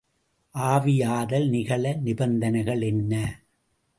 ஆவியாதல் நிகழ நிபந்தனைகள் என்ன?